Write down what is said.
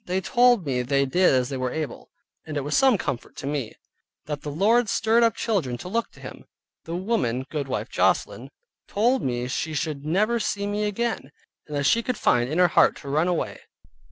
They told me they did as they were able, and it was some comfort to me, that the Lord stirred up children to look to Him. The woman, viz. goodwife Joslin, told me she should never see me again, and that she could find in her heart to run away.